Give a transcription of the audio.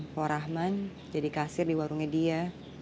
porahman jadi kasir di warungnya dia